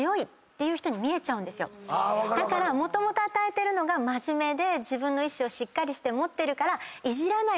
だからもともと与えてるのが真面目で自分の意思をしっかりして持ってるから。